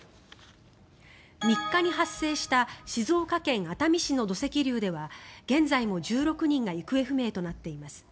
３日に発生した静岡県熱海市の土石流では現在も１６人が行方不明となっています。